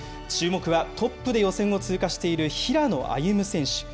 注目はトップで予選を通過している平野歩夢選手。